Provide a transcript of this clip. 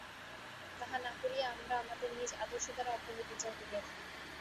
তাহা না করিয়া আমরা আমাদের নিজ আদর্শ দ্বারা অপরের বিচার করিয়া থাকি।